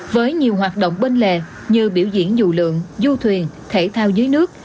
với nhiều hoạt động bên lề như biểu diễn dù lượng du thuyền thể thao dưới nước